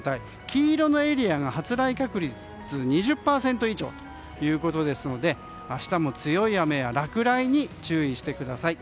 黄色のエリアが発雷確率が２０％以上ということですので明日も強い雨や落雷に注意してください。